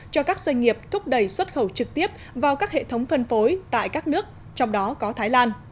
cho các doanh nghiệp thúc đẩy xuất khẩu trực tiếp vào các hệ thống phân phối tại các nước trong đó có thái lan